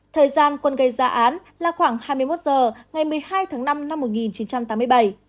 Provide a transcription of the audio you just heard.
thời gian quân gây ra án là khoảng hai mươi một h ngày một mươi hai tháng năm năm một nghìn chín trăm tám mươi bảy